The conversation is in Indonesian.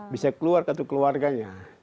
bisa keluar kartu keluarganya